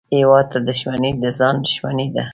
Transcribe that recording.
هېواد ته دښمني د ځان دښمني ده